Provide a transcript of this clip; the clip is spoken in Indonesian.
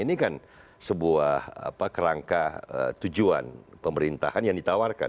ini kan sebuah kerangka tujuan pemerintahan yang ditawarkan